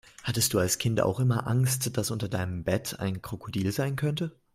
Hattest du als Kind auch immer Angst, dass unter deinem Bett ein Krokodil sein könnte?